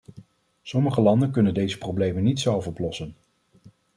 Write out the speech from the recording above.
Sommige landen kunnen deze problemen niet zelf oplossen.